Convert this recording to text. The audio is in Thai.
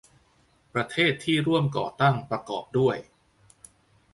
ประเทศที่ร่วมก่อตั้งประกอบด้วย